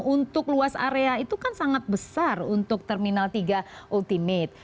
untuk luas area itu kan sangat besar untuk terminal tiga ultimate